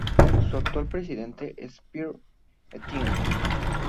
Su actual presidente es Pierre Etienne.